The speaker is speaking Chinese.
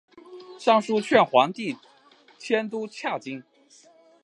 上书劝皇帝迁都汴京。